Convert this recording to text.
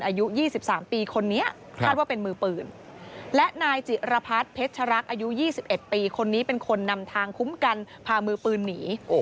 อายุ๒๓ปีคนนี้คาดว่าเป็นมือปืนและนายจิรพัฒน์เพชรักอายุ๒๑ปีคนนี้เป็นคนนำทางคุ้มกันพามือปืนหนี